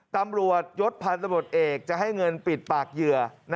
ตำรวจยศพันธบทเอกจะให้เงินปิดปากเหยื่อ